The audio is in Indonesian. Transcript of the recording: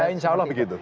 insya allah begitu